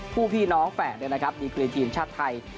ผู้พี่น้องแฝดด้วยนะครับดีคลีย์ทีมชาติไทย